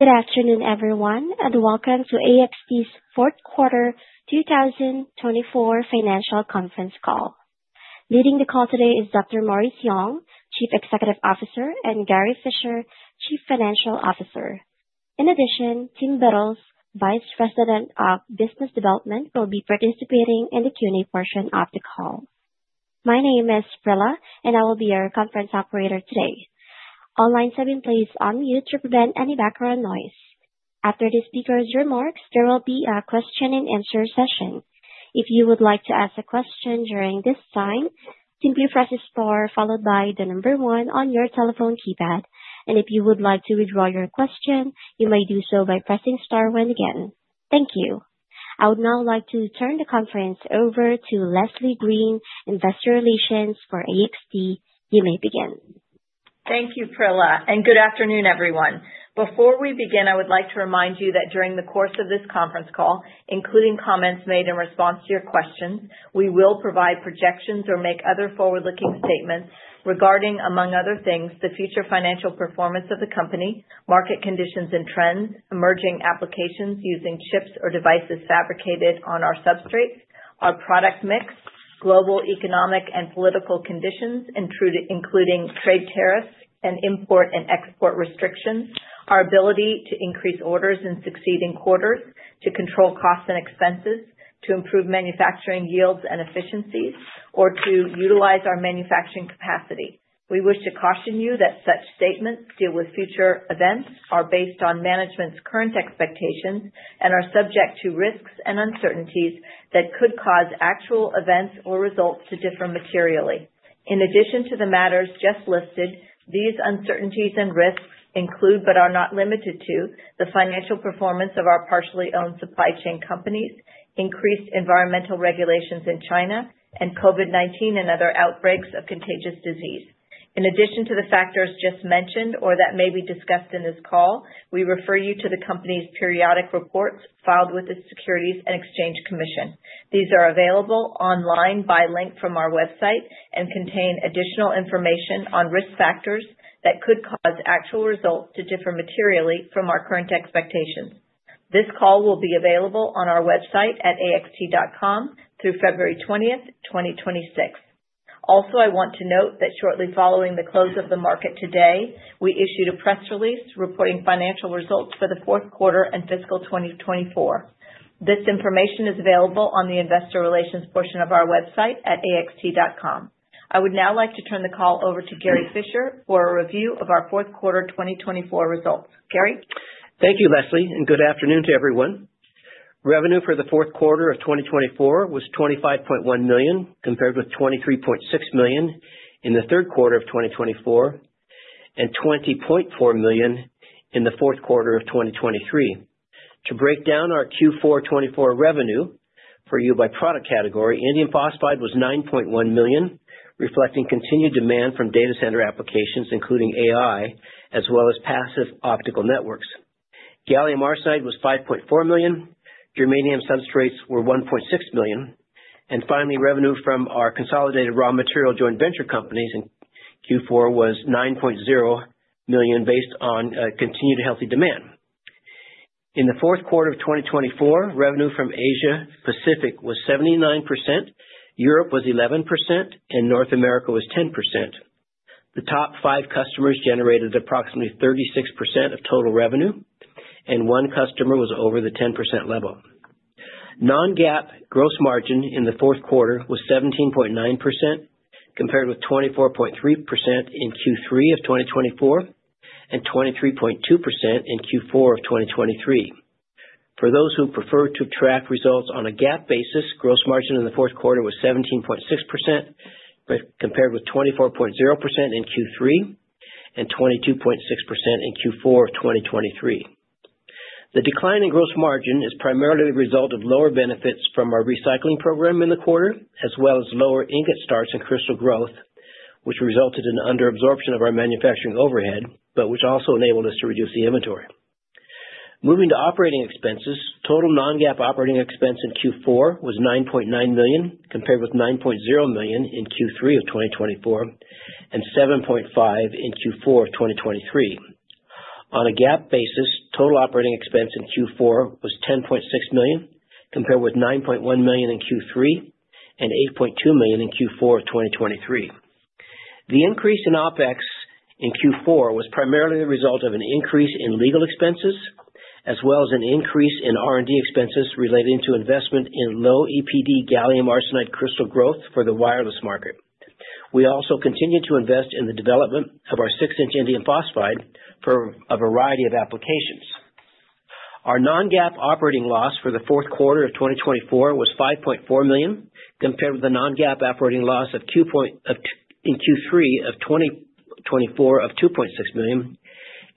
Good afternoon, everyone, and welcome to AXT's Fourth Quarter 2024 Financial Conference Call. Leading the call today is Dr. Morris Young, Chief Executive Officer, and Gary Fischer, Chief Financial Officer. In addition, Tim Bettles, Vice President of Business Development, will be participating in the Q&A portion of the call. My name is Frilla, and I will be your conference operator today. All lines have been placed on mute to prevent any background noise. After the speaker's remarks, there will be a question-and-answer session. If you would like to ask a question during this time, simply press a star followed by the number one on your telephone keypad. If you would like to withdraw your question, you may do so by pressing star one again. Thank you. I would now like to turn the conference over to Leslie Green, Investor Relations for AXT. You may begin. Thank you, Frilla. Good afternoon, everyone. Before we begin, I would like to remind you that during the course of this conference call, including comments made in response to your questions, we will provide projections or make other forward-looking statements regarding, among other things, the future financial performance of the company, market conditions and trends, emerging applications using chips or devices fabricated on our substrates, our product mix, global economic and political conditions, including trade tariffs and import and export restrictions, our ability to increase orders in succeeding quarters, to control costs and expenses, to improve manufacturing yields and efficiencies, or to utilize our manufacturing capacity. We wish to caution you that such statements deal with future events, are based on management's current expectations, and are subject to risks and uncertainties that could cause actual events or results to differ materially. In addition to the matters just listed, these uncertainties and risks include, but are not limited to, the financial performance of our partially owned supply chain companies, increased environmental regulations in China, and COVID-19 and other outbreaks of contagious disease. In addition to the factors just mentioned or that may be discussed in this call, we refer you to the company's periodic reports filed with the Securities and Exchange Commission. These are available online by link from our website and contain additional information on risk factors that could cause actual results to differ materially from our current expectations. This call will be available on our website at axt.com through February 20th, 2026. Also, I want to note that shortly following the close of the market today, we issued a press release reporting financial results for the fourth quarter and fiscal 2024. This information is available on the Investor Relations portion of our website at axt.com. I would now like to turn the call over to Gary Fischer for a review of our fourth quarter 2024 results. Gary. Thank you, Leslie, and good afternoon to everyone. Revenue for the fourth quarter of 2024 was $25.1 million, compared with $23.6 million in the third quarter of 2024, and $20.4 million in the fourth quarter of 2023. To break down our Q4 2024 revenue for you by product category, indium phosphide was $9.1 million, reflecting continued demand from data center applications, including AI, as well as passive optical networks. Gallium arsenide was $5.4 million. Germanium substrates were $1.6 million. Finally, revenue from our Consolidated Raw Material Joint Venture Companies in Q4 was $9.0 million, based on continued healthy demand. In the fourth quarter of 2024, revenue from Asia-Pacific was 79%, Europe was 11%, and North America was 10%. The top five customers generated approximately 36% of total revenue, and one customer was over the 10% level. Non-GAAP gross margin in the fourth quarter was 17.9%, compared with 24.3% in Q3 of 2024 and 23.2% in Q4 of 2023. For those who prefer to track results on a GAAP basis, gross margin in the fourth quarter was 17.6%, compared with 24.0% in Q3 and 22.6% in Q4 of 2023. The decline in gross margin is primarily the result of lower benefits from our recycling program in the quarter, as well as lower indium starts and crystal growth, which resulted in under-absorption of our manufacturing overhead, but which also enabled us to reduce the inventory. Moving to operating expenses, total non-GAAP operating expense in Q4 was $9.9 million, compared with $9.0 million in Q3 of 2024 and $7.5 million in Q4 of 2023. On a GAAP basis, total operating expense in Q4 was $10.6 million, compared with $9.1 million in Q3 and $8.2 million in Q4 of 2023. The increase in OpEx in Q4 was primarily the result of an increase in legal expenses, as well as an increase in R&D expenses relating to investment in low EPD gallium arsenide crystal growth for the wireless market. We also continued to invest in the development of our 6-inch indium phosphide for a variety of applications. Our non-GAAP operating loss for the fourth quarter of 2024 was $5.4 million, compared with a non-GAAP operating loss in Q3 of 2024 of $2.6 million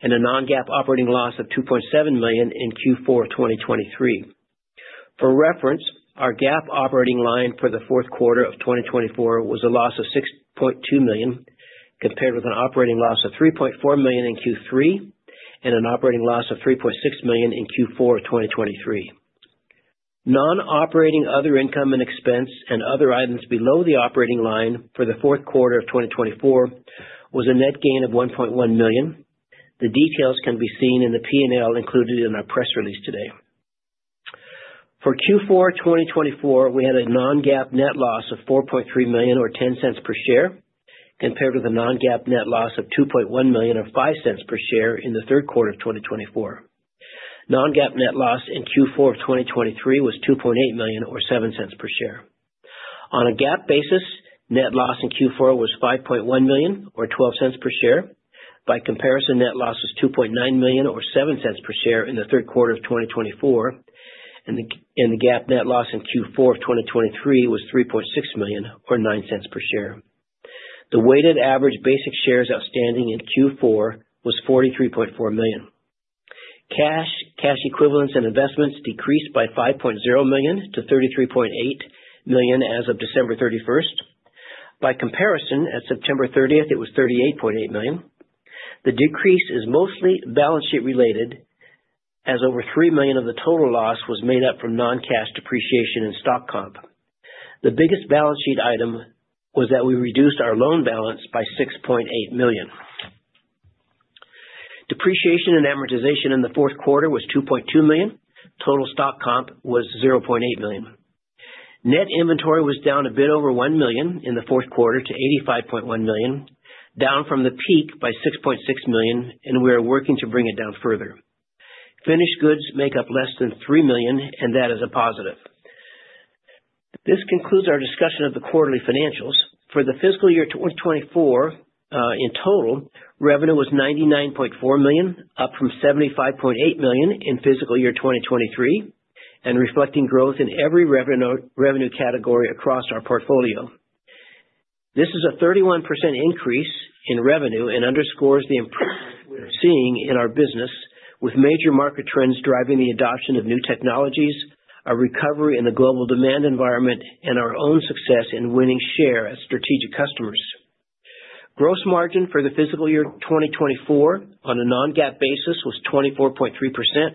and a non-GAAP operating loss of $2.7 million in Q4 of 2023. For reference, our GAAP operating line for the fourth quarter of 2024 was a loss of $6.2 million, compared with an operating loss of $3.4 million in Q3 and an operating loss of $3.6 million in Q4 of 2023. Non-operating other income and expense and other items below the operating line for the fourth quarter of 2024 was a net gain of $1.1 million. The details can be seen in the P&L included in our press release today. For Q4 2024, we had a non-GAAP net loss of $4.3 million or $0.10 per share, compared with a non-GAAP net loss of $2.1 million or $0.05 per share in the third quarter of 2024. Non-GAAP net loss in Q4 of 2023 was $2.8 million or $0.07 per share. On a GAAP basis, net loss in Q4 was $5.1 million or $0.12 per share. By comparison, net loss was $2.9 million or $0.07 per share in the third quarter of 2024, and the GAAP net loss in Q4 of 2023 was $3.6 million or $0.09 per share. The weighted average basic shares outstanding in Q4 was 43.4 million. Cash, cash equivalents, and investments decreased by $5.0 million to $33.8 million as of December 31. By comparison, at September 30, it was $38.8 million. The decrease is mostly balance sheet related, as over $3 million of the total loss was made up from non-cash depreciation and stock comp. The biggest balance sheet item was that we reduced our loan balance by $6.8 million. Depreciation and amortization in the fourth quarter was $2.2 million. Total stock comp was $0.8 million. Net inventory was down a bit over $1 million in the fourth quarter to $85.1 million, down from the peak by $6.6 million, and we are working to bring it down further. Finished goods make up less than $3 million, and that is a positive. This concludes our discussion of the quarterly financials. For the fiscal year 2024, in total, revenue was $99.4 million, up from $75.8 million in fiscal year 2023, and reflecting growth in every revenue category across our portfolio. This is a 31% increase in revenue and underscores the improvement we're seeing in our business, with major market trends driving the adoption of new technologies, our recovery in the global demand environment, and our own success in winning share as strategic customers. Gross margin for the fiscal year 2024 on a non-GAAP basis was 24.3%,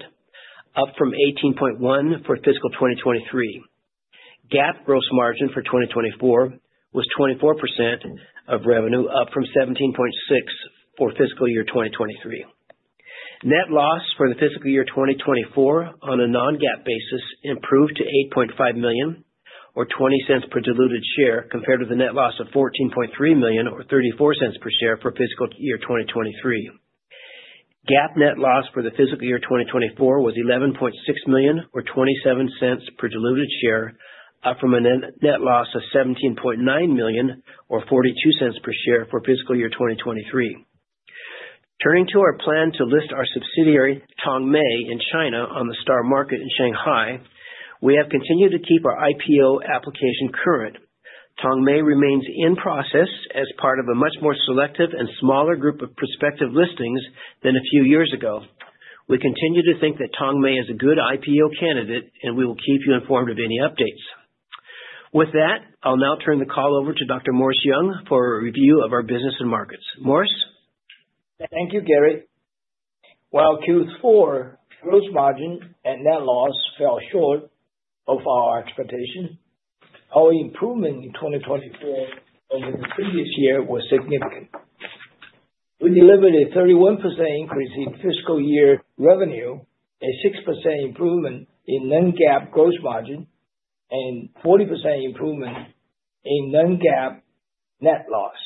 up from 18.1% million for fiscal 2023. GAAP gross margin for 2024 was 24% of revenue, up from 17.6% million for fiscal year 2023. Net loss for the fiscal year 2024 on a non-GAAP basis improved to $8.5 million or $0.20 per diluted share, compared with a net loss of $14.3 million or $0.34 per share for fiscal year 2023. GAAP net loss for the fiscal year 2024 was $11.6 million or $0.27 per diluted share, up from a net loss of $17.9 million or $0.42 per share for fiscal year 2023. Turning to our plan to list our subsidiary, Tongmei, in China on the STAR Market in Shanghai, we have continued to keep our IPO application current. Tongmei remains in process as part of a much more selective and smaller group of prospective listings than a few years ago. We continue to think that Tongmei is a good IPO candidate, and we will keep you informed of any updates. With that, I'll now turn the call over to Dr. Morris Young for a review of our business and markets. Morris. Thank you, Gary. While Q4 gross margin and net loss fell short of our expectation, our improvement in 2024 over the previous year was significant. We delivered a 31% increase in fiscal year revenue, a 6% improvement in non-GAAP gross margin, and a 40% improvement in non-GAAP net loss.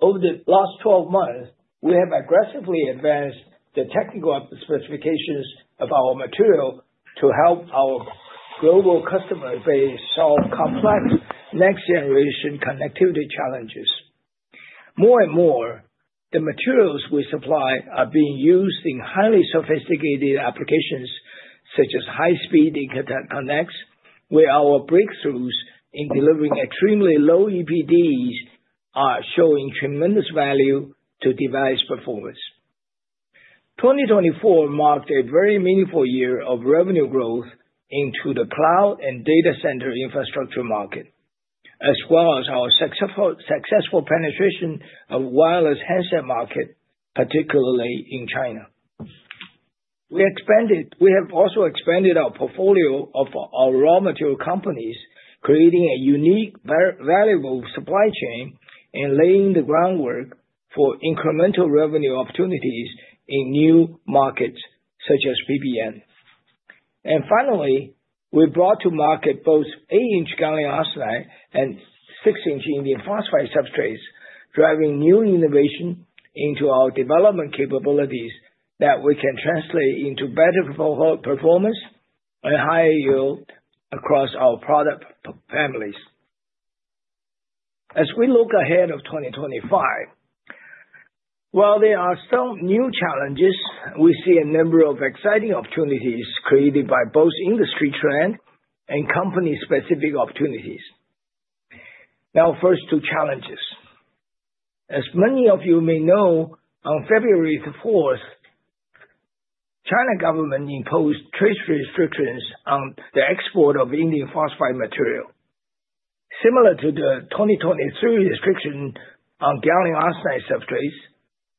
Over the last 12 months, we have aggressively advanced the technical specifications of our material to help our global customer base solve complex next-generation connectivity challenges. More and more, the materials we supply are being used in highly sophisticated applications such as high-speed interconnects, where our breakthroughs in delivering extremely low EPDs are showing tremendous value to device performance. 2024 marked a very meaningful year of revenue growth into the cloud and data center infrastructure market, as well as our successful penetration of the wireless headset market, particularly in China. We have also expanded our portfolio of our raw material companies, creating a unique, valuable supply chain and laying the groundwork for incremental revenue opportunities in new markets such as PBN. Finally, we brought to market both 8-inch gallium arsenide and 6-inch indium phosphide substrates, driving new innovation into our development capabilities that we can translate into better performance and higher yield across our product families. As we look ahead to 2025, while there are some new challenges, we see a number of exciting opportunities created by both industry trends and company-specific opportunities. Now, first, two challenges. As many of you may know, on February 4, the China government imposed trade restrictions on the export of indium phosphide material. Similar to the 2023 restriction on gallium arsenide substrates,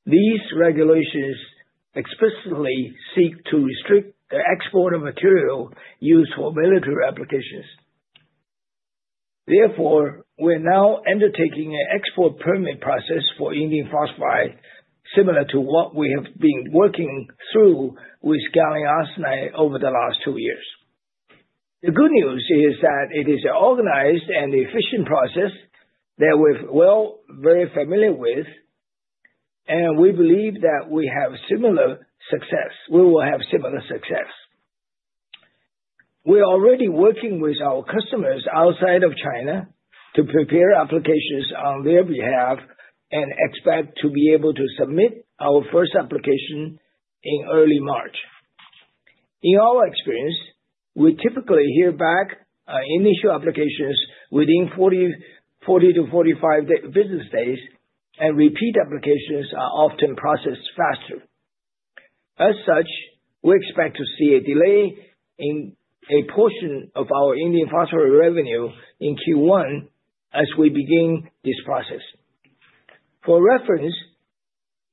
these regulations explicitly seek to restrict the export of material used for military applications. Therefore, we are now undertaking an export permit process for indium phosphide, similar to what we have been working through with gallium arsenide over the last two years. The good news is that it is an organized and efficient process that we're very familiar with, and we believe that we will have similar success. We are already working with our customers outside of China to prepare applications on their behalf and expect to be able to submit our first application in early March. In our experience, we typically hear back on initial applications within 40-45 business days, and repeat applications are often processed faster. As such, we expect to see a delay in a portion of our indium phosphide revenue in Q1 as we begin this process. For reference,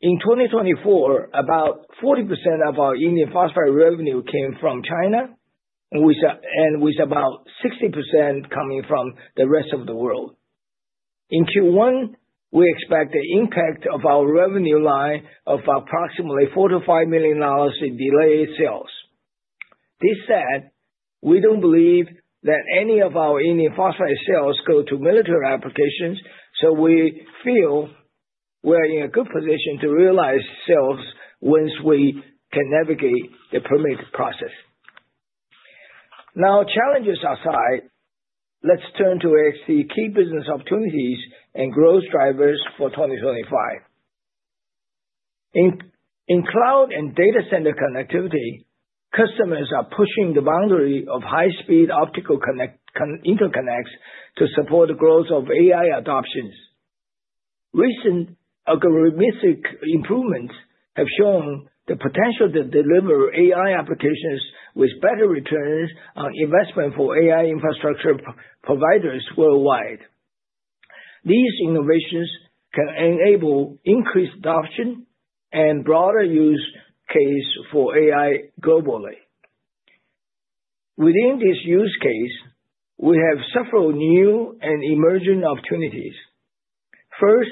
in 2024, about 40% of our indium phosphide revenue came from China, and with about 60% coming from the rest of the world. In Q1, we expect the impact on our revenue line of approximately $4-$5 million in delayed sales. This said, we do not believe that any of our indium phosphide sales go to military applications, so we feel we are in a good position to realize sales once we can navigate the permit process. Now, challenges aside, let's turn to the key business opportunities and growth drivers for 2025. In cloud and data center connectivity, customers are pushing the boundary of high-speed optical interconnects to support the growth of AI adoptions. Recent algorithmic improvements have shown the potential to deliver AI applications with better returns on investment for AI infrastructure providers worldwide. These innovations can enable increased adoption and broader use case for AI globally. Within this use case, we have several new and emerging opportunities. First,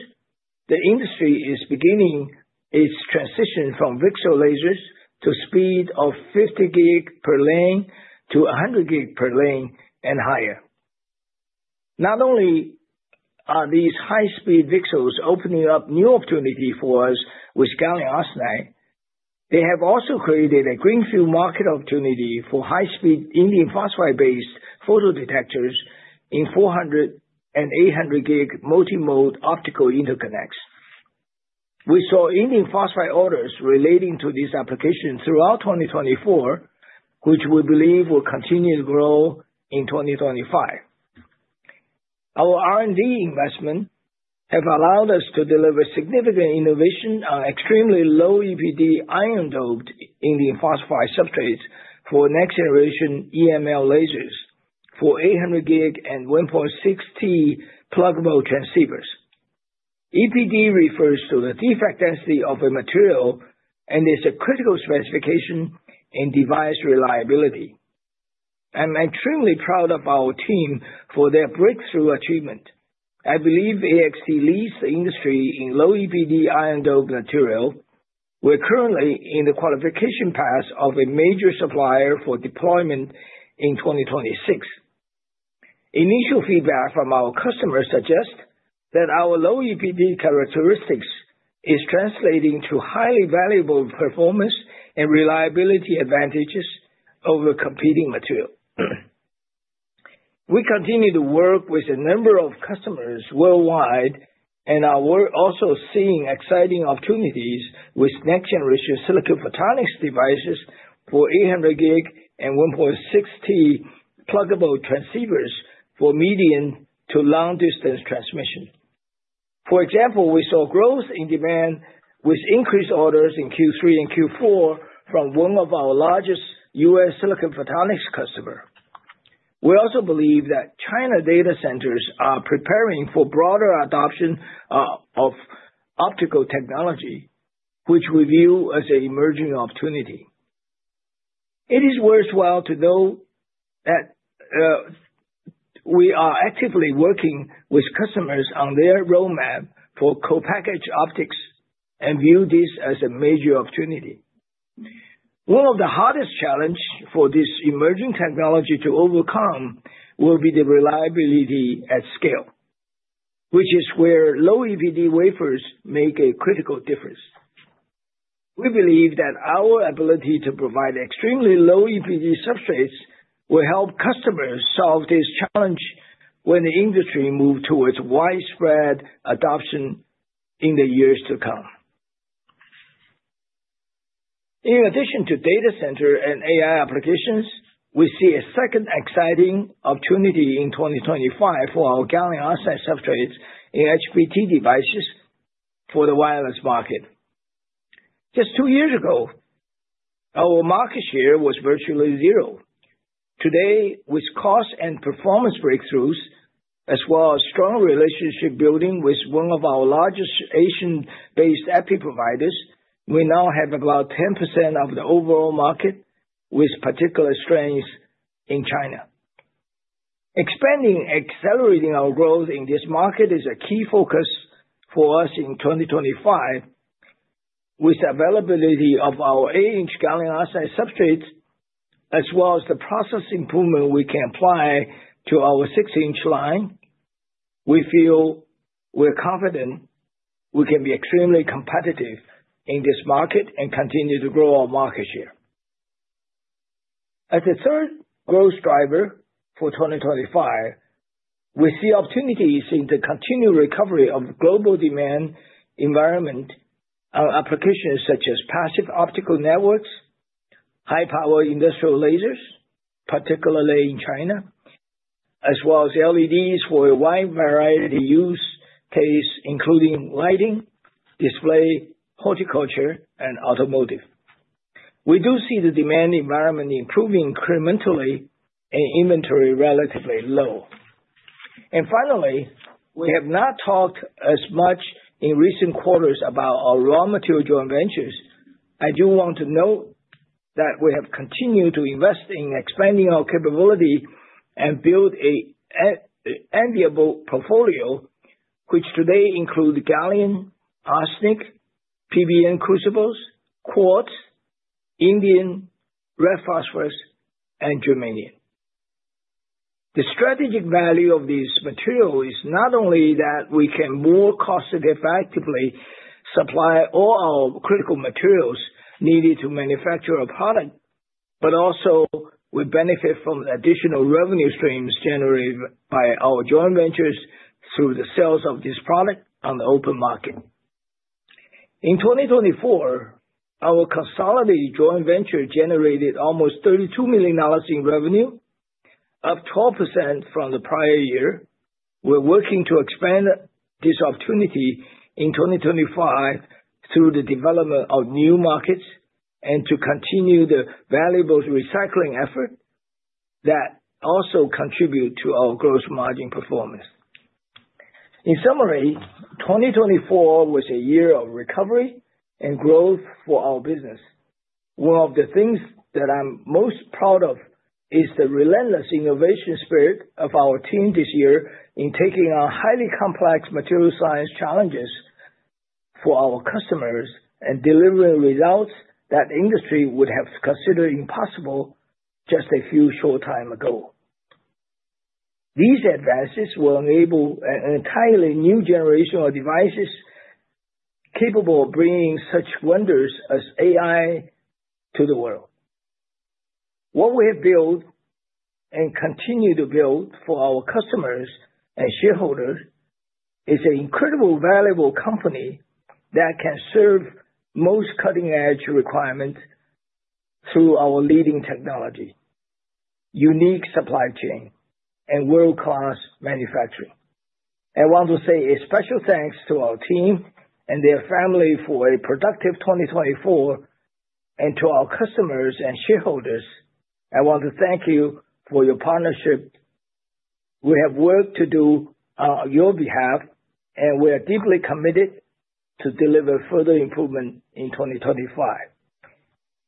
the industry is beginning its transition from VCSEL lasers to speed of 50 gig per lane to 100 gig per lane and higher. Not only are these high-speed VCSELs opening up new opportunities for us with gallium arsenide, they have also created a greenfield market opportunity for high-speed indium phosphide-based photodetectors in 400 and 800 gig multimode optical interconnects. We saw indium phosphide orders relating to this application throughout 2024, which we believe will continue to grow in 2025. Our R&D investment has allowed us to deliver significant innovation on extremely low EPD iron-doped indium phosphide substrates for next-generation EML lasers for 800 gig and 1.6T pluggable transceivers. EPD refers to the defect density of a material and is a critical specification in device reliability. I'm extremely proud of our team for their breakthrough achievement. I believe AXT leads the industry in low EPD iron-doped material. We're currently in the qualification path of a major supplier for deployment in 2026. Initial feedback from our customers suggests that our low EPD characteristics are translating to highly valuable performance and reliability advantages over competing material. We continue to work with a number of customers worldwide, and we're also seeing exciting opportunities with next-generation silicon photonics devices for 800 gig and 1.6T pluggable transceivers for medium to long-distance transmission. For example, we saw growth in demand with increased orders in Q3 and Q4 from one of our largest U.S. silicon photonics customers. We also believe that China data centers are preparing for broader adoption of optical technology, which we view as an emerging opportunity. It is worthwhile to know that we are actively working with customers on their roadmap for co-packaged optics and view this as a major opportunity. One of the hardest challenges for this emerging technology to overcome will be the reliability at scale, which is where low EPD wafers make a critical difference. We believe that our ability to provide extremely low EPD substrates will help customers solve this challenge when the industry moves towards widespread adoption in the years to come. In addition to data center and AI applications, we see a second exciting opportunity in 2025 for our gallium arsenide substrates in HBT devices for the wireless market. Just two years ago, our market share was virtually zero. Today, with cost and performance breakthroughs, as well as strong relationship building with one of our largest Asian-based epi providers, we now have about 10% of the overall market, with particular strengths in China. Expanding and accelerating our growth in this market is a key focus for us in 2025. With the availability of our 8-inch gallium arsenide substrates, as well as the process improvement we can apply to our 6-inch line, we feel we're confident we can be extremely competitive in this market and continue to grow our market share. As the third growth driver for 2025, we see opportunities in the continued recovery of global demand environment on applications such as passive optical networks, high-power industrial lasers, particularly in China, as well as LEDs for a wide variety of use cases, including lighting, display, horticulture, and automotive. We do see the demand environment improving incrementally and inventory relatively low. Finally, we have not talked as much in recent quarters about our raw material joint ventures. I do want to note that we have continued to invest in expanding our capability and build an enviable portfolio, which today includes gallium, arsenic, PBN crucibles, quartz, indium, red phosphorus, and germanium. The strategic value of this material is not only that we can more cost-effectively supply all our critical materials needed to manufacture a product, but also we benefit from the additional revenue streams generated by our joint ventures through the sales of this product on the open market. In 2024, our consolidated joint venture generated almost $32 million in revenue, up 12% from the prior year. We're working to expand this opportunity in 2025 through the development of new markets and to continue the valuable recycling effort that also contributes to our gross margin performance. In summary, 2024 was a year of recovery and growth for our business. One of the things that I'm most proud of is the relentless innovation spirit of our team this year in taking on highly complex material science challenges for our customers and delivering results that the industry would have considered impossible just a few short times ago. These advances will enable an entirely new generation of devices capable of bringing such wonders as AI to the world. What we have built and continue to build for our customers and shareholders is an incredibly valuable company that can serve most cutting-edge requirements through our leading technology, unique supply chain, and world-class manufacturing. I want to say a special thanks to our team and their family for a productive 2024, and to our customers and shareholders. I want to thank you for your partnership. We have work to do on your behalf, and we are deeply committed to deliver further improvement in 2025.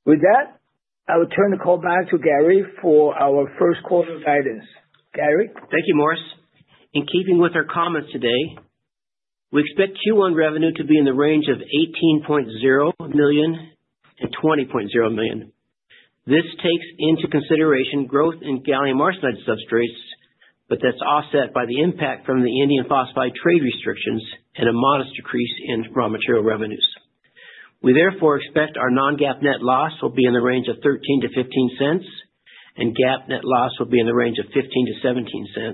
With that, I will turn the call back to Gary for our first quarter guidance. Gary. Thank you, Morris. In keeping with our comments today, we expect Q1 revenue to be in the range of $18.0 million-$20.0 million. This takes into consideration growth in gallium arsenide substrates, but that's offset by the impact from the indium phosphide trade restrictions and a modest decrease in raw material revenues. We therefore expect our non-GAAP net loss will be in the range of $0.13-$0.15, and GAAP net loss will be in the range of $0.15-$0.17.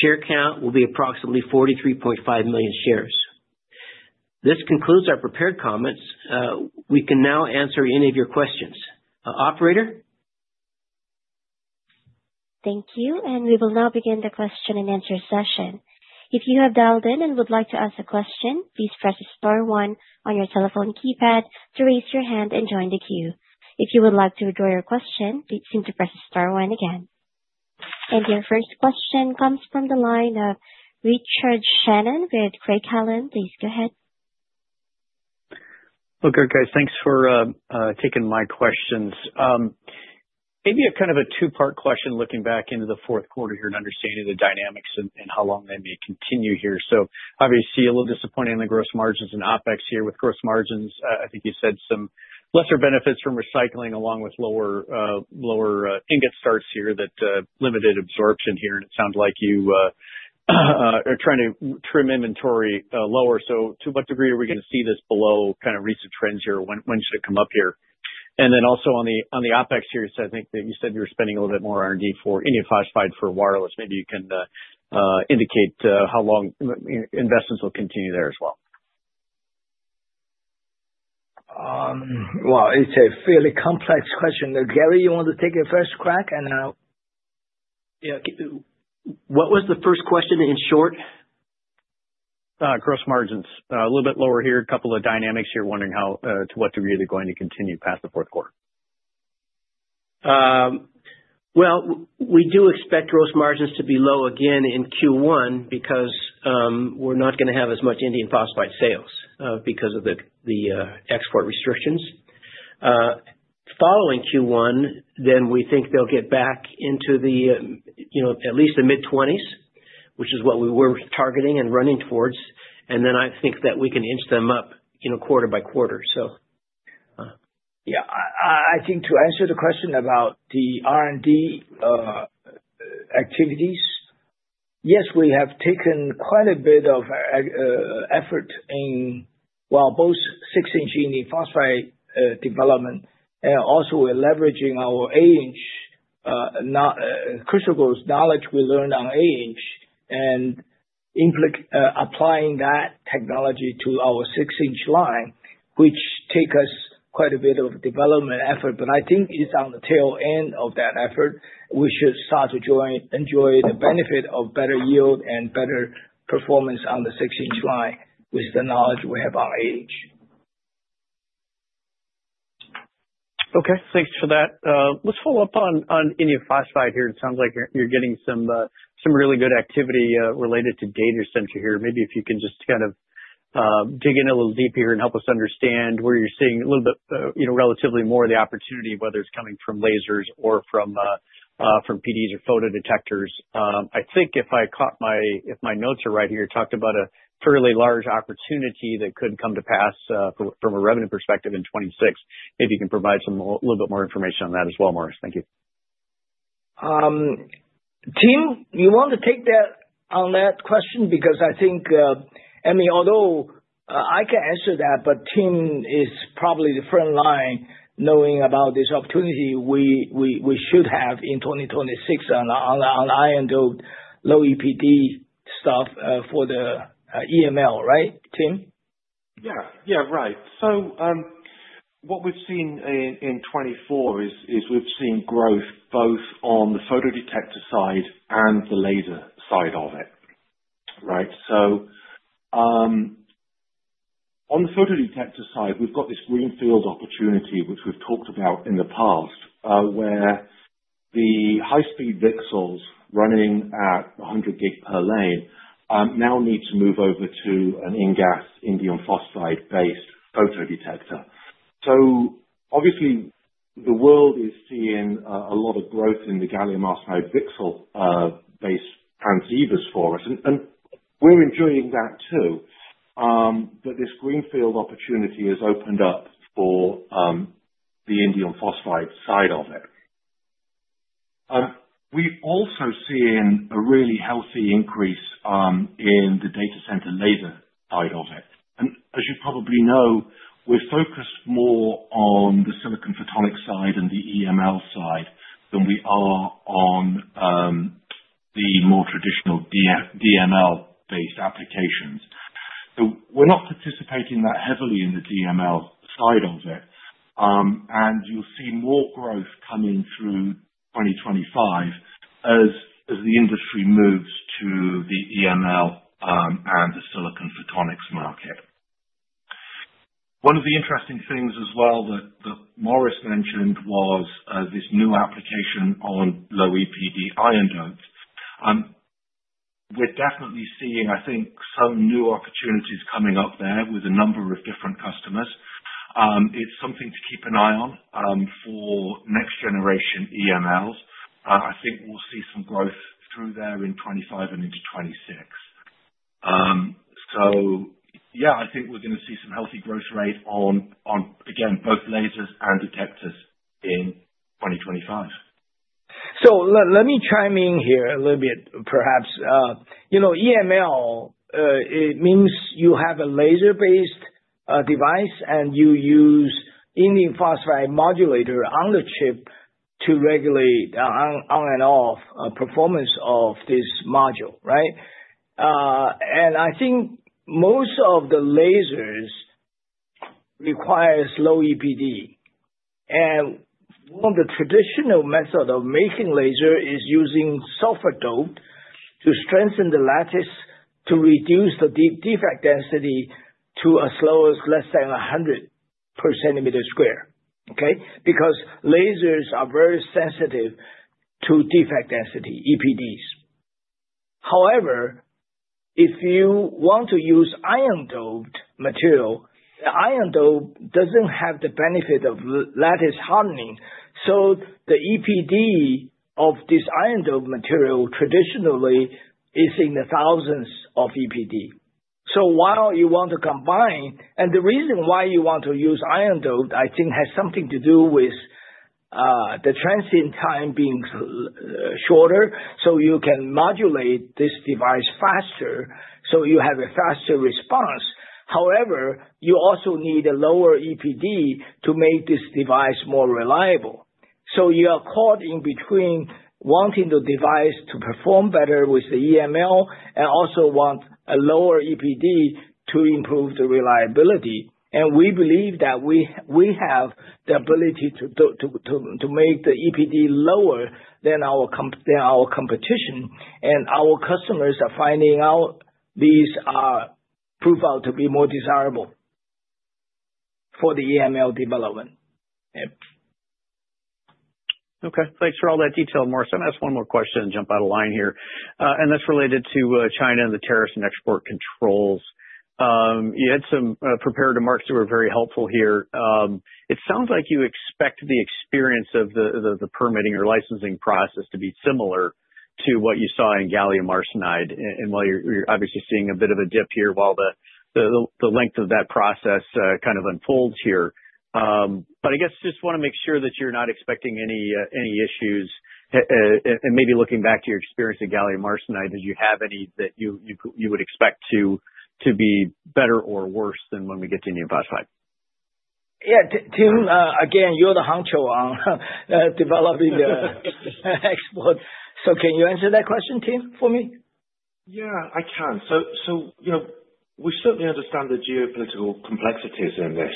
Share count will be approximately 43.5 million shares. This concludes our prepared comments. We can now answer any of your questions. Operator? Thank you. We will now begin the question and answer session. If you have dialed in and would like to ask a question, please press Star one on your telephone keypad to raise your hand and join the queue. If you would like to withdraw your question, please press Star one again. Your first question comes from the line of Richard Shannon with Craig-Hallum. Please go ahead. Good, guys. Thanks for taking my questions. Maybe a kind of a two-part question looking back into the fourth quarter here and understanding the dynamics and how long they may continue here. Obviously, a little disappointing in the gross margins and OpEx here with gross margins. I think you said some lesser benefits from recycling along with lower ingot starts here that limited absorption here. It sounds like you are trying to trim inventory lower. To what degree are we going to see this below kind of recent trends here? When should it come up here? Also, on the OpEx here, I think that you said you were spending a little bit more R&D for indium phosphide for wireless. Maybe you can indicate how long investments will continue there as well. It is a fairly complex question. Gary, you want to take your first crack now? Yeah. What was the first question in short? Gross margins. A little bit lower here. A couple of dynamics here. Wondering to what degree they are going to continue past the fourth quarter. We do expect gross margins to be low again in Q1 because we're not going to have as much indium phosphide sales because of the export restrictions. Following Q1, we think they'll get back into at least the mid-20s, which is what we were targeting and running towards. I think that we can inch them up quarter by quarter. To answer the question about the R&D activities, yes, we have taken quite a bit of effort in both 6-inch indium phosphide development and also we're leveraging our 8-inch crucibles knowledge we learned on 8-inch and applying that technology to our 6-inch line, which takes us quite a bit of development effort. I think it's on the tail end of that effort. We should start to enjoy the benefit of better yield and better performance on the 6-inch line with the knowledge we have on 8-inch. Okay. Thanks for that. Let's follow up on indium phosphide here. It sounds like you're getting some really good activity related to data center here. Maybe if you can just kind of dig in a little deeper here and help us understand where you're seeing a little bit relatively more of the opportunity, whether it's coming from lasers or from PDs or photodetectors. I think if I caught my notes right here, talked about a fairly large opportunity that could come to pass from a revenue perspective in 2026. Maybe you can provide a little bit more information on that as well, Morris. Thank you. Tim, you want to take that on that question? Because I think, I mean, although I can answer that, but Tim is probably the front line knowing about this opportunity we should have in 2026 on iron-doped low EPD stuff for the EML, right, Tim? Yeah. Yeah, right. What we've seen in 2024 is we've seen growth both on the photodetector side and the laser side of it, right? On the photodetector side, we've got this greenfield opportunity, which we've talked about in the past, where the high-speed VCSELs running at 100 gig per lane now need to move over to an ingot indium phosphide-based photodetector. Obviously, the world is seeing a lot of growth in the gallium arsenide VCSEL-based transceivers for us. We're enjoying that too. This greenfield opportunity has opened up for the indium phosphide side of it. We're also seeing a really healthy increase in the data center laser side of it. As you probably know, we're focused more on the silicon photonics side and the EML side than we are on the more traditional DML-based applications. We're not participating that heavily in the DML side of it. You'll see more growth coming through 2025 as the industry moves to the EML and the silicon photonics market. One of the interesting things as well that Morris mentioned was this new application on low EPD iron doped. We're definitely seeing, I think, some new opportunities coming up there with a number of different customers. It's something to keep an eye on for next-generation EMLs. I think we'll see some growth through there in 2025 and into 2026. Yeah, I think we're going to see some healthy growth rate on, again, both lasers and detectors in 2025. Let me chime in here a little bit, perhaps. EML, it means you have a laser-based device and you use indium phosphide modulator on the chip to regulate on and off performance of this module, right? I think most of the lasers require low EPD. One of the traditional methods of making laser is using sulfur doped to strengthen the lattice to reduce the defect density to as low as less than 100 per centimeter square, okay? Because lasers are very sensitive to defect density, EPDs. However, if you want to use iron-doped material, the iron-dope doesn't have the benefit of lattice hardening. The EPD of this iron-doped material traditionally is in the thousands of EPD. While you want to combine, and the reason why you want to use iron-doped, I think, has something to do with the transient time being shorter. You can modulate this device faster. You have a faster response. However, you also need a lower EPD to make this device more reliable. You are caught in between wanting the device to perform better with the EML and also want a lower EPD to improve the reliability. We believe that we have the ability to make the EPD lower than our competition. Our customers are finding out these prove out to be more desirable for the EML development. Okay. Thanks for all that detail, Morris. I'm going to ask one more question and jump out of line here. That is related to China and the tariffs and export controls. You had some prepared remarks that were very helpful here. It sounds like you expect the experience of the permitting or licensing process to be similar to what you saw in gallium arsenide. While you're obviously seeing a bit of a dip here while the length of that process kind of unfolds here. I guess just want to make sure that you're not expecting any issues. Maybe looking back to your experience in gallium arsenide, did you have any that you would expect to be better or worse than when we get to indium phosphide? Yeah, Tim, again, you're the honcho on developing the export. Can you answer that question, Tim, for me? Yeah, I can. We certainly understand the geopolitical complexities in this.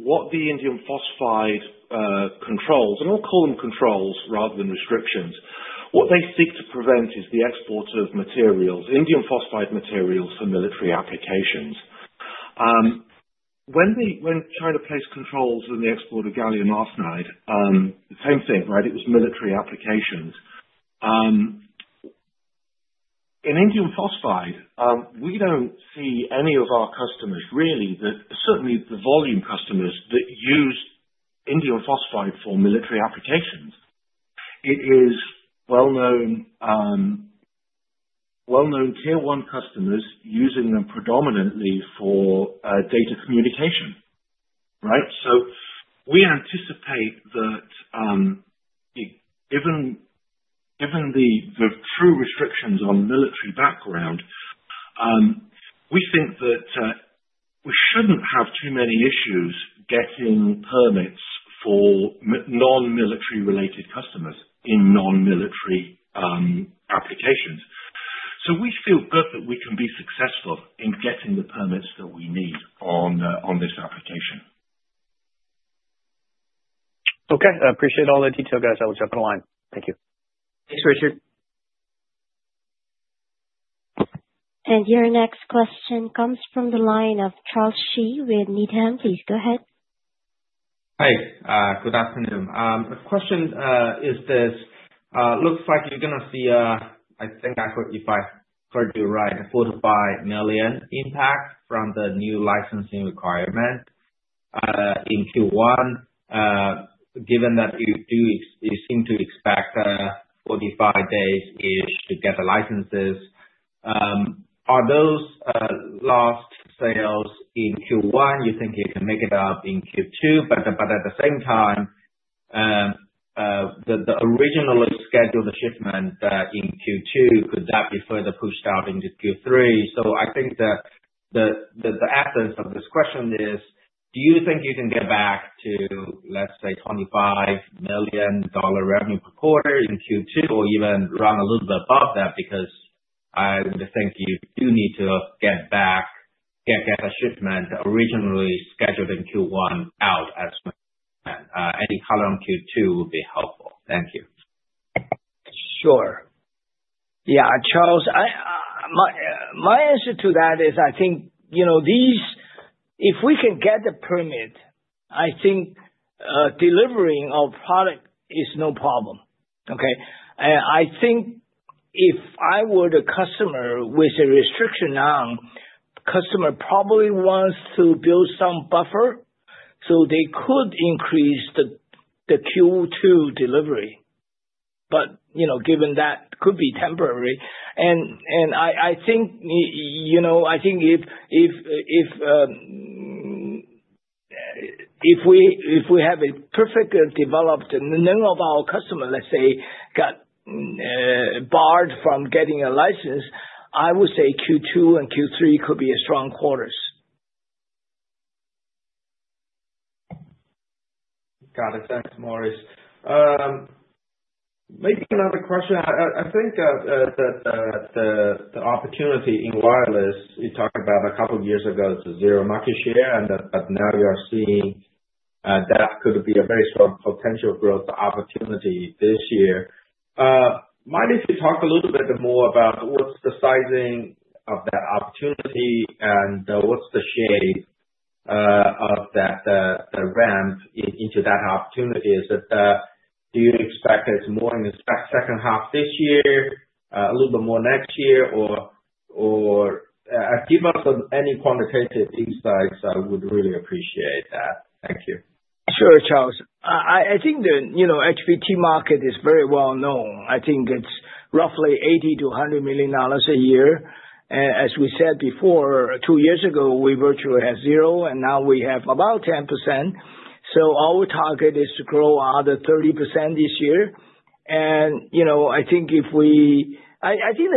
What the indium phosphide controls, and I'll call them controls rather than restrictions, what they seek to prevent is the export of materials, indium phosphide materials for military applications. When China placed controls in the export of gallium arsenide, same thing, right? It was military applications. In indium phosphide, we don't see any of our customers, really, certainly the volume customers that use indium phosphide for military applications. It is well-known tier-one customers using them predominantly for data communication, right? We anticipate that given the true restrictions on military background, we think that we shouldn't have too many issues getting permits for non-military-related customers in non-military applications. We feel good that we can be successful in getting the permits that we need on this application. Okay. I appreciate all the detail, guys. I will jump on the line. Thank you. Thanks, Richard. Your next question comes from the line of Charles Shi with Needham. Please go ahead. Hey, good afternoon. The question is this. Looks like you're going to see, I think I heard you right, a $4-$5 million impact from the new licensing requirement in Q1, given that you seem to expect 45 days-ish to get the licenses. Are those last sales in Q1? You think you can make it up in Q2? At the same time, the originally scheduled shipment in Q2, could that be further pushed out into Q3? I think the essence of this question is, do you think you can get back to, let's say, $25 million revenue per quarter in Q2 or even run a little bit above that? I think you do need to get back, get a shipment originally scheduled in Q1 out as well. Any color on Q2 would be helpful. Thank you. Sure. Yeah, Charles. My answer to that is, I think if we can get the permit, I think delivering our product is no problem, okay? I think if I were the customer with a restriction now, the customer probably wants to build some buffer so they could increase the Q2 delivery. Given that could be temporary. I think if we have a perfectly developed none of our customers, let's say, got barred from getting a license, I would say Q2 and Q3 could be strong quarters. Got it. Thanks, Morris. Making another question. I think that the opportunity in wireless, you talked about a couple of years ago, it's a zero market share. Now you're seeing that could be a very strong potential growth opportunity this year. Mind if you talk a little bit more about what's the sizing of that opportunity and what's the shape of that ramp into that opportunity? Is it do you expect it's more in the second half this year, a little bit more next year, or give us any quantitative insights? I would really appreciate that. Thank you. Sure, Charles. I think the HBT market is very well known. I think it's roughly $80 million-$100 million a year. As we said before, two years ago, we virtually had zero, and now we have about 10%. Our target is to grow another 30% this year. I think the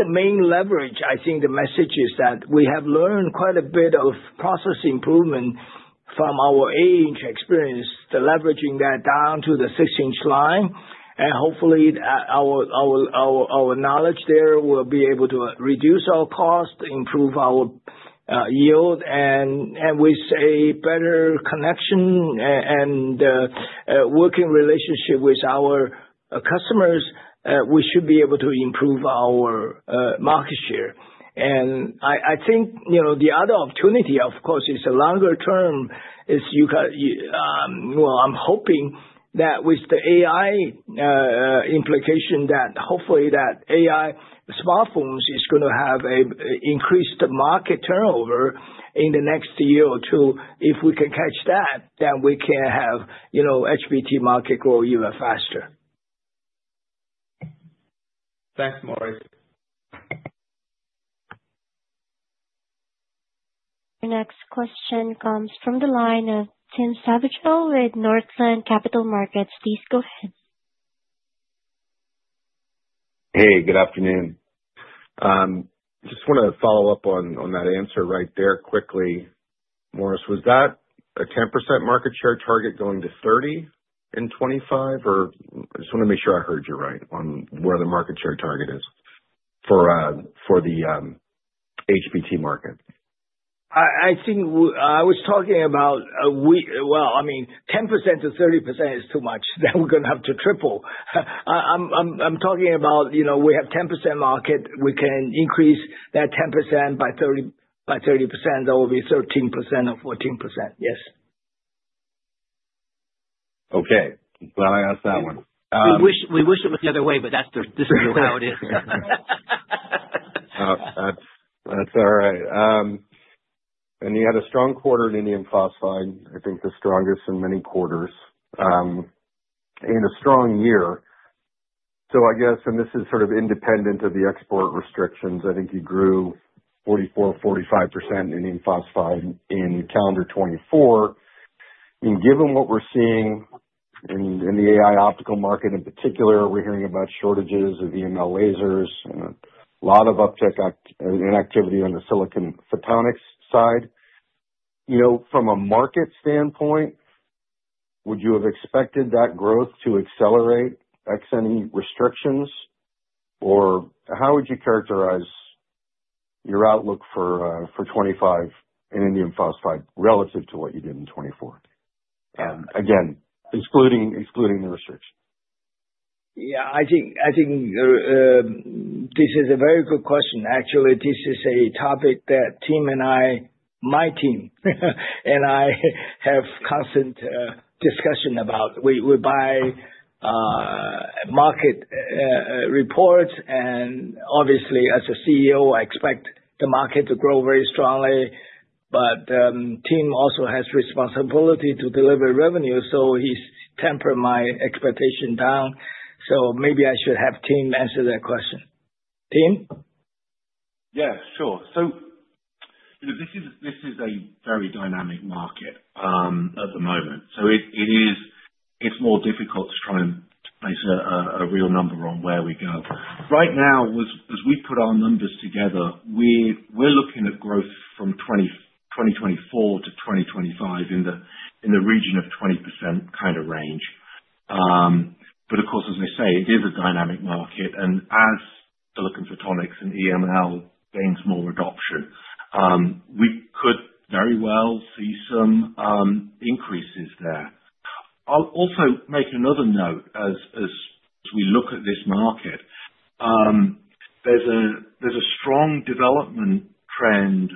main leverage, the message is that we have learned quite a bit of process improvement from our 8-inch experience, leveraging that down to the 6-inch line. Hopefully, our knowledge there will be able to reduce our cost, improve our yield, and with a better connection and working relationship with our customers, we should be able to improve our market share. I think the other opportunity, of course, is a longer term. I am hoping that with the AI implication, that hopefully that AI smartphones is going to have an increased market turnover in the next year or two. If we can catch that, then we can have HBT market grow even faster. Thanks, Morris. Your next question comes from the line of Tim Savageaux with Northland Capital Markets. Please go ahead. Hey, good afternoon. Just want to follow up on that answer right there quickly, Morris. Was that a 10% market share target going to 30 in 2025? I just want to make sure I heard you right on where the market share target is for the HBT market. I think I was talking about, I mean, 10% to 30% is too much. That we're going to have to triple. I'm talking about we have a 10% market. We can increase that 10% by 30%. That will be 13% or 14%. Yes. Okay. Glad I asked that one. We wish it was the other way, but this is how it is. That's all right. You had a strong quarter in indium phosphide. I think the strongest in many quarters in a strong year. I guess, and this is sort of independent of the export restrictions, I think you grew 44%, 45% in indium phosphide in calendar 2024. Given what we're seeing in the AI optical market in particular, we're hearing about shortages of EML lasers and a lot of uptick in activity on the silicon photonics side. From a market standpoint, would you have expected that growth to accelerate ex-any restrictions? How would you characterize your outlook for 2025 in indium phosphide relative to what you did in 2024? Again, excluding the restrictions. I think this is a very good question. Actually, this is a topic that Tim and I, my team and I have constant discussion about. We buy market reports. Obviously, as a CEO, I expect the market to grow very strongly. Tim also has responsibility to deliver revenue, so he's tempered my expectation down. Maybe I should have Tim answer that question. Tim? Yeah, sure. This is a very dynamic market at the moment. It is more difficult to try and place a real number on where we go. Right now, as we put our numbers together, we are looking at growth from 2024 to 2025 in the region of 20% kind of range. Of course, as I say, it is a dynamic market. As silicon photonics and EML gains more adoption, we could very well see some increases there. I will also make another note as we look at this market. There is a strong development trend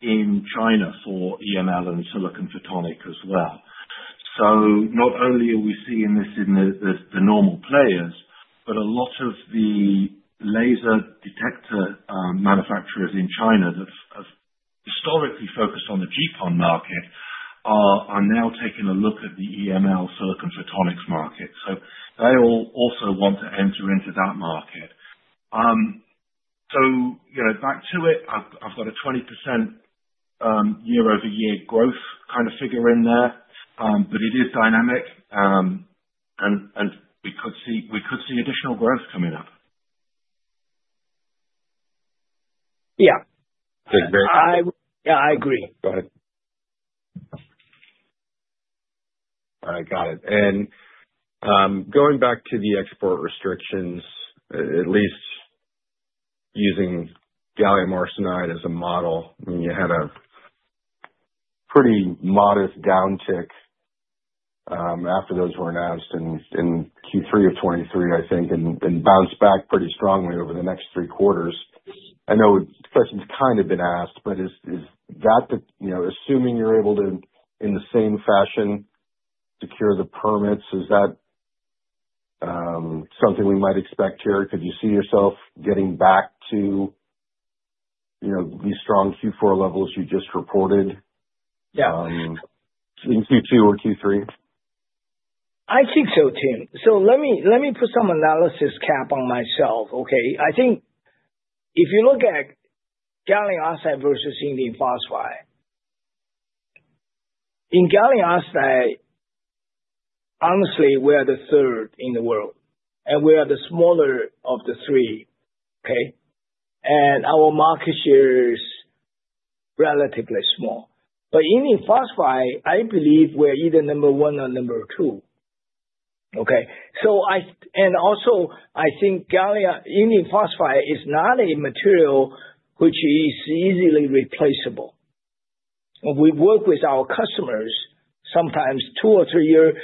in China for EML and silicon photonics as well. Not only are we seeing this in the normal players, but a lot of the laser detector manufacturers in China that have historically focused on the GPON market are now taking a look at the EML silicon photonics market. They also want to enter into that market. Back to it, I've got a 20% year-over-year growth kind of figure in there. It is dynamic. We could see additional growth coming up. Yeah. Yeah, I agree. Go ahead. All right. Got it. Going back to the export restrictions, at least using gallium arsenide as a model, you had a pretty modest downtick after those were announced in Q3 of 2023, I think, and bounced back pretty strongly over the next three quarters. I know the question's kind of been asked, but is that assuming you're able to, in the same fashion, secure the permits, is that something we might expect here? Could you see yourself getting back to these strong Q4 levels you just reported in Q2 or Q3? I think so, Tim. Let me put some analysis cap on myself, okay? I think if you look at gallium arsenide versus indium phosphide, in gallium arsenide, honestly, we are the third in the world. We are the smaller of the three, okay? Our market share is relatively small. indium phosphide, I believe we're either number one or number two, okay? I think indium phosphide is not a material which is easily replaceable. We work with our customers sometimes two or three years,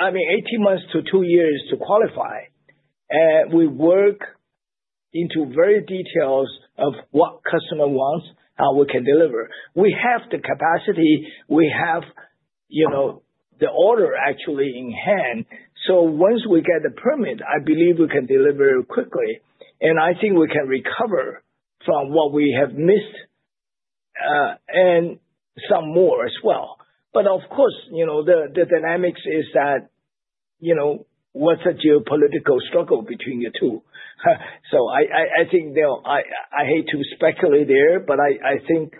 I mean, 18 months to two years to qualify. We work into very details of what customer wants, how we can deliver. We have the capacity. We have the order actually in hand. Once we get the permit, I believe we can deliver quickly. I think we can recover from what we have missed and some more as well. Of course, the dynamics is that what's a geopolitical struggle between the two. I think I hate to speculate there, but I think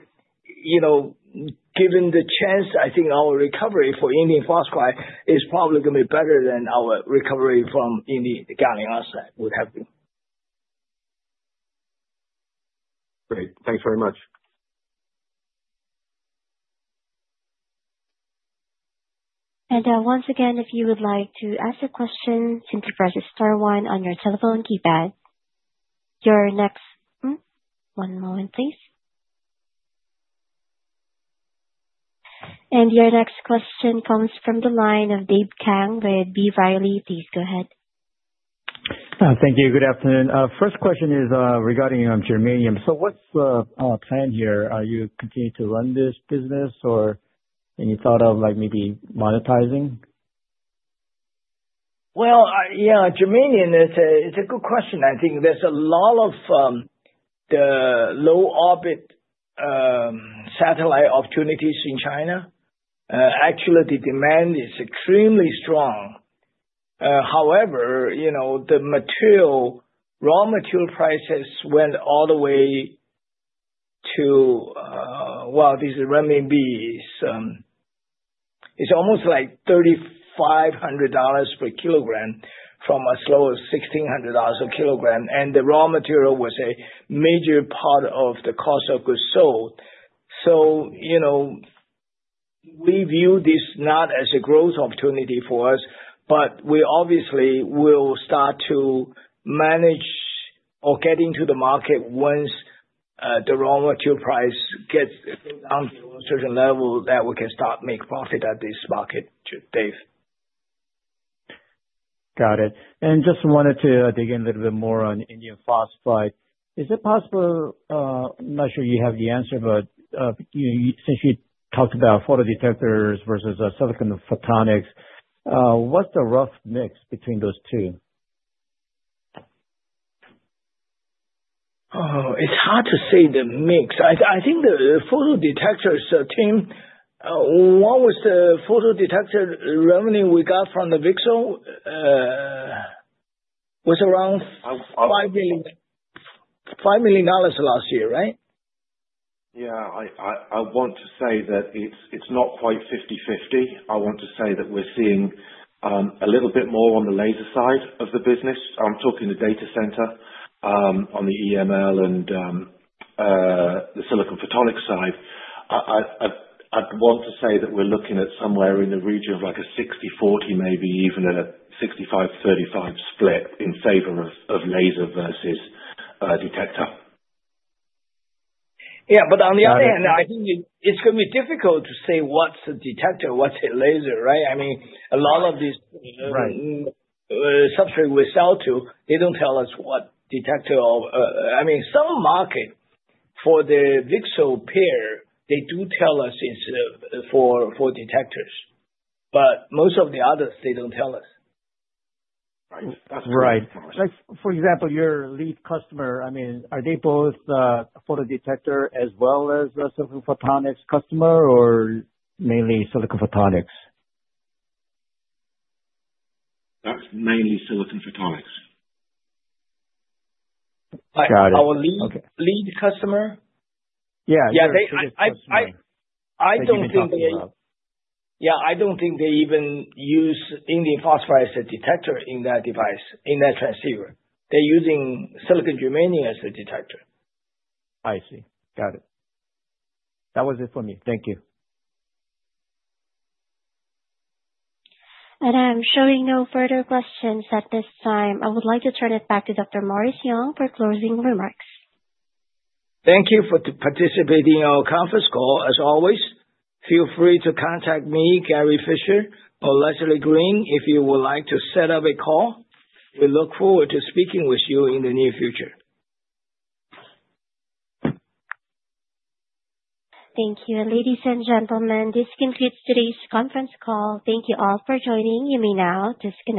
given the chance, I think our recovery for indium phosphide is probably going to be better than our recovery from Indium gallium arsenide would have been. Great. Thanks very much. Once again, if you would like to ask a question, please press star one on your telephone keypad. Your next, one moment, please. Your next question comes from the line of Dave Kang with B. Riley. Please go ahead. Thank you. Good afternoon. First question is regarding germanium. What's the plan here? Are you continuing to run this business or any thought of maybe monetizing? Yeah, germanium, it's a good question. I think there's a lot of the low-orbit satellite opportunities in China. Actually, the demand is extremely strong. However, the raw material prices went all the way to, this is renminbi. It's almost like $3,500 per kilogram from as low as $1,600 a kilogram. The raw material was a major part of the cost of goods sold. We view this not as a growth opportunity for us, but we obviously will start to manage or get into the market once the raw material price gets down to a certain level that we can start making profit at this market, Dave. Got it. Just wanted to dig in a little bit more on indium phosphide. Is it possible? I'm not sure you have the answer, but since you talked about photodetectors versus silicon photonics, what's the rough mix between those two? It's hard to say the mix. I think the photodetectors, Tim, what was the photodetector revenue we got from the VCSEL was around $5 million last year, right? Yeah. I want to say that it's not quite 50/50. I want to say that we're seeing a little bit more on the laser side of the business. I'm talking the data center on the EML and the silicon photonic side. I'd want to say that we're looking at somewhere in the region of like a 60/40, maybe even a 65/35 split in favor of laser versus detector. Yeah. On the other hand, I think it's going to be difficult to say what's a detector, what's a laser, right? I mean, a lot of these substrate we sell to, they don't tell us what detector. I mean, some market for the VCSEL pair, they do tell us for detectors. Most of the others, they do not tell us. Right. For example, your lead customer, I mean, are they both a photodetector as well as a silicon photonics customer or mainly silicon photonics? That is mainly silicon photonics. Our lead customer? Yeah. Yeah. I do not think they, yeah, I do not think they even use indium phosphide as a detector in that device, in that transceiver. They are using silicon germanium as a detector. I see. Got it. That was it for me. Thank you. I am showing no further questions at this time. I would like to turn it back to Dr. Morris Young for closing remarks. Thank you for participating in our conference call, as always. Feel free to contact me, Gary Fischer, or Leslie Green, if you would like to set up a call. We look forward to speaking with you in the near future. Thank you. Ladies and gentlemen, this concludes today's conference call. Thank you all for joining. You may now disconnect.